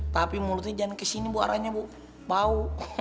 tapi mulutnya jangan kesini bu aranya bu bau